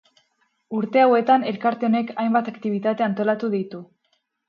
Urte hauetan elkarte honek hainbat aktibitate antolatu ditu.